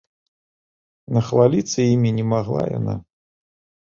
Нахваліцца імі не магла яна.